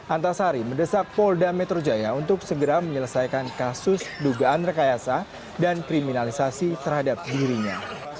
antasari mendesak polda metro jaya untuk segera menyelesaikan kasus dugaan rekayasa dan kriminalisasi terhadap dirinya